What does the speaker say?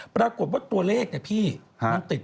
ปรากฏว่าตัวเลขนี่พี่ติดลบ๘